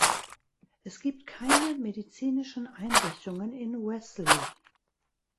Es gibt keine medizinischen Einrichtungen in Wesley.